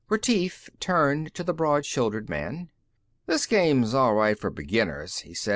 Retief turned to the broad shouldered man. "This game's all right for beginners," he said.